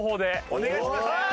お願いします